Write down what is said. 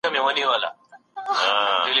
لویه جرګه کي د مخالفو نظرونو اورېدل ولي اړین دي؟